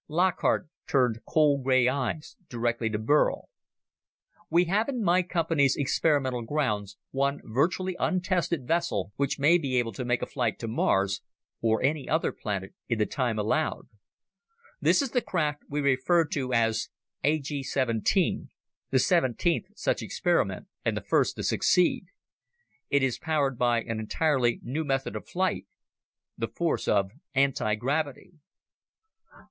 Lockhart turned cold gray eyes directly to Burl. "We have in my company's experimental grounds one virtually untested vessel which may be able to make a flight to Mars, or any other planet, in the time allowed. This is the craft we refer to as A G 17, the seventeenth such experiment, and the first to succeed. It is powered by an entirely new method of flight, the force of anti gravity."